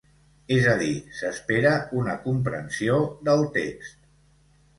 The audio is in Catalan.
És a dir, s'espera una comprensió del text.